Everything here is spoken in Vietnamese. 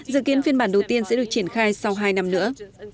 dự kiến phiên bản đầu tiên sẽ được triển khai sau hai năm nữa